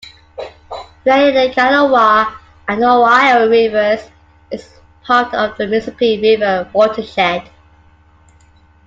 Via the Kanawha and Ohio rivers, it is part of the Mississippi River watershed.